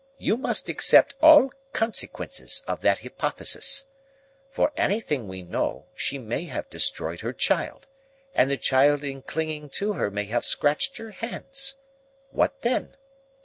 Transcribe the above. You must accept all consequences of that hypothesis. For anything we know, she may have destroyed her child, and the child in clinging to her may have scratched her hands. What then?